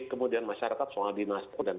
kemudian masyarakat soal dinasti dan